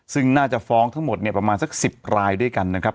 ซึ่งน่าจะฟ้องทั้งหมดเนี่ยประมาณสัก๑๐รายด้วยกันนะครับ